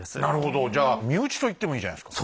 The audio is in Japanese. じゃあ身内と言ってもいいじゃないですか。